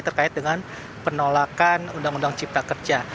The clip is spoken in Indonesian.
terkait dengan penolakan undang undang cipta kerja